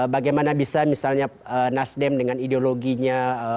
bagaimana bisa misalnya nasdem dengan ideologinya